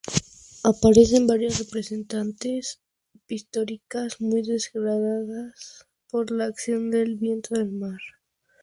Aparecen varias representaciones pictóricas muy degradadas por la acción del viento del mar.